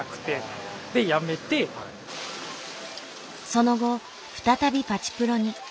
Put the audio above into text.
その後再びパチプロに。